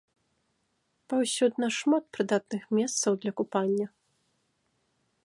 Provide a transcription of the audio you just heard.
Паўсюдна шмат прыдатных месцаў для купання.